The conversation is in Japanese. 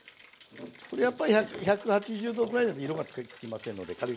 やっぱり１８０℃ぐらいだと色がつきませんので火力あげて。